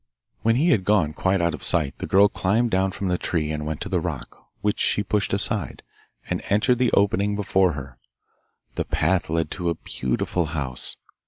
When he had gone quite out of sight the girl climbed down from the tree and went to the rock, which she pushed aside, and entered the opening before her. The path led to a beautiful house.